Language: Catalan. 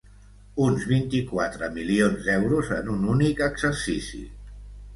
Uns vint-i-quatre milions d’euros en un únic exercici.